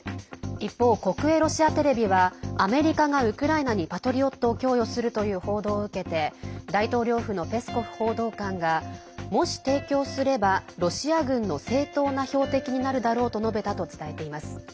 一方、国営ロシアテレビはアメリカがウクライナに「パトリオット」を供与するという報道を受けて大統領府のペスコフ報道官がもし提供すればロシア軍の正当な標的になるだろうと述べたと伝えています。